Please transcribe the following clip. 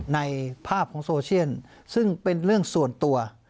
ในภาพของโซเชียลซึ่งเป็นเรื่องส่วนตัว